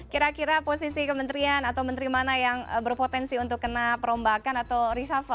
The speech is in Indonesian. kira kira posisi kementerian atau menteri mana yang berpotensi untuk kena perombakan atau reshuffle